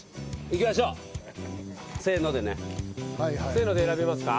せので選びますか？